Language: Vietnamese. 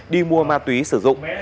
đi mua ma túy sử dụng